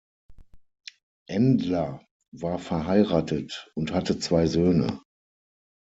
Endler war verheiratet und hatte zwei Söhne.